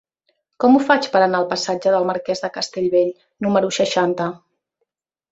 Com ho faig per anar al passatge del Marquès de Castellbell número seixanta?